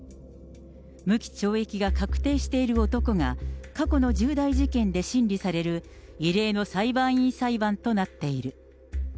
無期懲役が確定している男が、過去の重大事件で審理される異例の裁判員裁判となっている。